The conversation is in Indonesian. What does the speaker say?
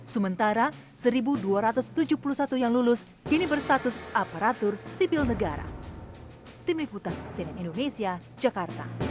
sementara satu dua ratus tujuh puluh satu yang lulus kini berstatus aparatur sipil negara